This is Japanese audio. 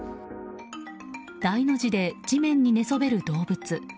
大の字で地面に寝そべる動物。